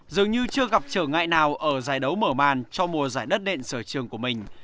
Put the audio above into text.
dường như chưa gặp trở ngại nào ở giải đấu mở màn cho mùa giải đất đện sở trường của mình